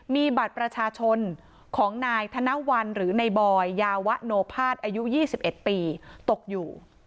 มีบัตรประชาชนของนายธนวัลหรือในบอยยาวะโนภาษอายุ๒๑ปีตกอยู่